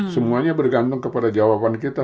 semuanya bergantung kepada jawaban kita